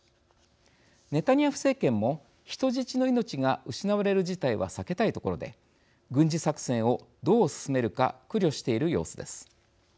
ネタニヤフ政権も人質の命が失われる事態は避けたいところで軍事作戦をどう進めるか苦慮している様子です。